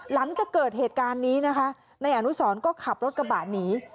หลังจากเกิดเหตุการณ์นี้นะคะนายอนุสรก็ขับรถกระบะหนี